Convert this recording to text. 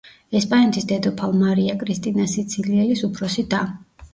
ესპანეთის დედოფალ მარია კრისტინა სიცილიელის უფროსი და.